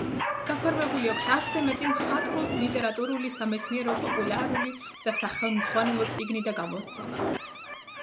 გაფორმებული აქვს ასზე მეტი მხატვრულ-ლიტერატურული, სამეცნიერო-პოპულარული და სახელმძღვანელო წიგნი და გამოცემა.